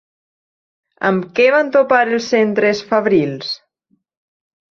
Amb què van topar els centres fabrils?